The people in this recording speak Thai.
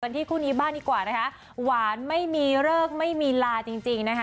ที่คู่นี้บ้างดีกว่านะคะหวานไม่มีเลิกไม่มีลาจริงจริงนะคะ